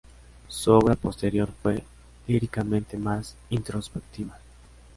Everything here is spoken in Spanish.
Su obra posterior fue líricamente más introspectiva.